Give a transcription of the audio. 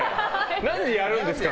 何でやるんですか？